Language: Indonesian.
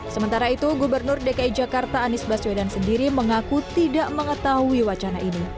sementara itu gubernur dki jakarta anies baswedan sendiri mengaku tidak mengetahui wacana ini